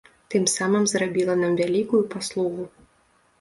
Тым самым зрабіла нам вялікую паслугу.